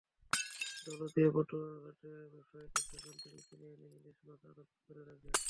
দৌলতদিয়া-পাটুরিয়া ঘাটের ব্যবসায়ীরা সেখান থেকে কিনে এনে ইলিশ মাছ আড়ত ঘরে রাখে।